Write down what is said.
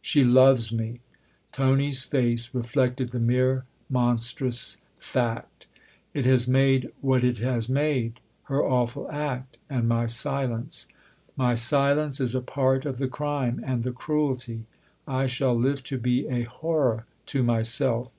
11 She loves me !" Tony's face reflected the mere monstrous fact. " It has made what it has made her awful act and my silence. My silence is a part of the crime and the cruelty I shall live to be a horror to myself.